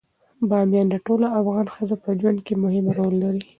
بامیان د ټولو افغان ښځو په ژوند کې مهم رول لري.